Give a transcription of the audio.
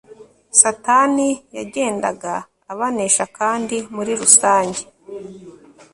Satani yagendaga abanesha kandi muri rusange